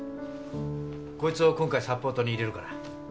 こいつを今回サポートに入れるから。